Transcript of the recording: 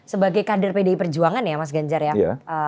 sebagai kader pdi perjuangan ya mas ganjar ya